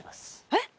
えっ！